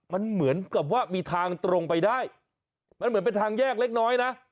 มันเหมือนกับว่ามีทางตรงไปได้มันเหมือนเป็นทางแยกเล็กน้อยนะ